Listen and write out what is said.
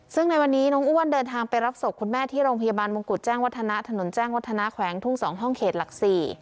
ซึ่งในวันนี้น้องอ้วนเดินทางไปรับศพคุณแม่ที่โรงพยาบาลมงกุฎแจ้งวัฒนะถนนแจ้งวัฒนาแขวงทุ่ง๒ห้องเขตหลัก๔